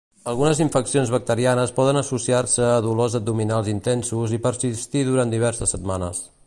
Algunes infeccions bacterianes poden associar-se a dolors abdominals intensos i persistir durant diverses setmanes.